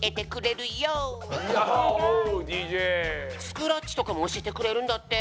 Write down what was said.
スクラッチとかもおしえてくれるんだって！